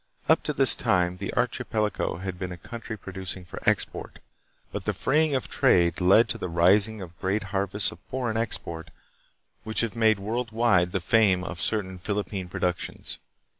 Up to this tune the archipelago had not been a country producing for export, but the freeing of trade led to the raising of great har vests for foreign export, which have made world wide the fame of certain Philippine productions.